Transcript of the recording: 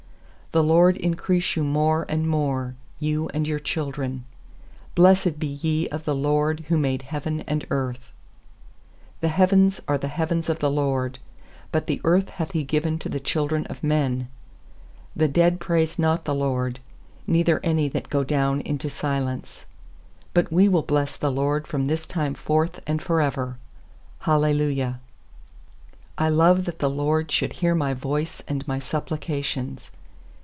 I4The LORD increase you more and more, You and your children. lfiBIessed be ye of the LORD, Who made heaven and earth. 16The heavens are the heavens of the LORD: But the earth hath He given to th< children of men. 17The dead praise not the LORD, Neither any that go down intc silence; 18But we will bless the LORD From this time forth and for ever. Hallelujah. 1 1 ft I love that the LORD shoulc 110 hear My voice and my supplications.